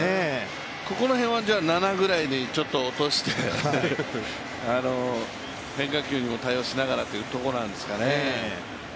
ここら辺は７ぐらいでちょっと落として、変化球にも対応しながらってところなんですかね。